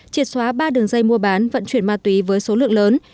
triệt xóa ba đường dây mua bán vận chuyển ma túy với số lượng lớn